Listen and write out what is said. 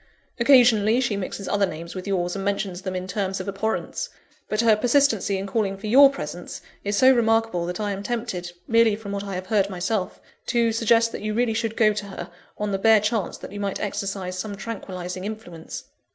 Occasionally she mixes other names with yours, and mentions them in terms of abhorrence; but her persistency in calling for your presence, is so remarkable that I am tempted, merely from what I have heard myself; to suggest that you really should go to her, on the bare chance that you might exercise some tranquillising influence.